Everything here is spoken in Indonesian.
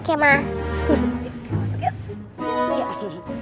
kita masuk yuk